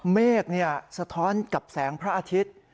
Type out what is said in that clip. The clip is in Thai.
เมฆสะท้อนกับแสงพระอาทิตย์